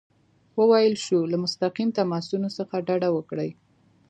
وویل شول چې له مستقیم تماسونو څخه ډډه وکړي.